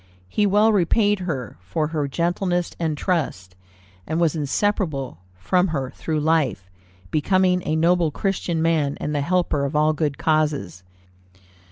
He well repaid her for her gentleness and trust, and was inseparable from her through life, becoming a noble Christian man, and the helper of all good causes.